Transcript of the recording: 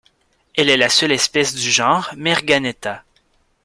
Elle est la seule espèce du genre Merganetta.